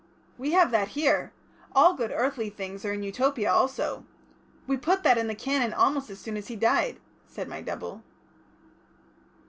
"We have that here. All good earthly things are in Utopia also. We put that in the Canon almost as soon as he died," said my double.